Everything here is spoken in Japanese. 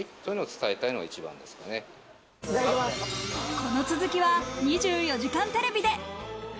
この続きは『２４時間テレビ』で。